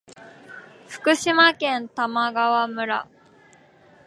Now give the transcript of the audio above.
福島県玉川村